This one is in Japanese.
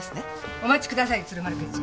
お待ちください鶴丸検事。